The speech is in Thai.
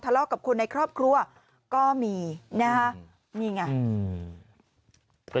ทะเลาะกับคนในครอบครัวก็มีนะฮะนี่ไงอืม